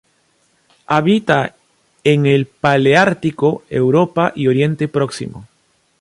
Habita en el paleártico: Europa y Oriente Próximo.